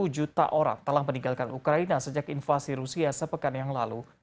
satu juta orang telah meninggalkan ukraina sejak invasi rusia sepekan yang lalu